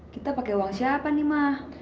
kita pakai uang siapa ma